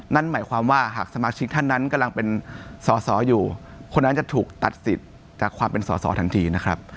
นั่นหมายความว่าหากสมาชิกท่านนั้นกำลังเป็นสอสออยู่คนนั้นจะถูกตัดสิทธิ์จากความเป็นสอสอทันทีนะครับ